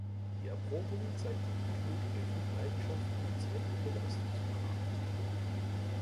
Die Erprobung zeigte gutmütige Flugeigenschaften und sehr gute Leistungsparameter.